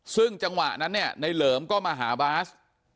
ซึ่งจังหวะนั้นเนี่ยในเหลิมก็มาหาบาส